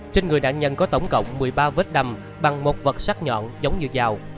trên người nạn nhân có tổng cộng một mươi ba vết đầm bằng một vật sắt nhọn giống như dao